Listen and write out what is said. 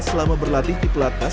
selama berlatih di platas